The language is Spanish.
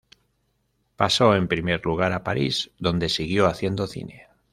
Pasó en primer lugar a París, donde siguió haciendo cine.